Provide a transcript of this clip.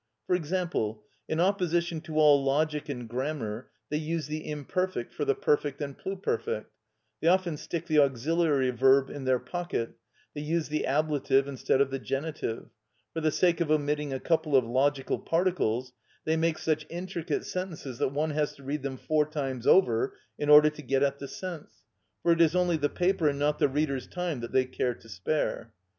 For example, in opposition to all logic and grammar, they use the imperfect for the perfect and pluperfect; they often stick the auxiliary verb in their pocket; they use the ablative instead of the genitive; for the sake of omitting a couple of logical particles they make such intricate sentences that one has to read them four times over in order to get at the sense; for it is only the paper and not the reader's time that they care to spare.